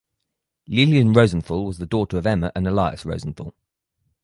Lillian Rosenthal was the daughter of Emma and Elias Rosenthal.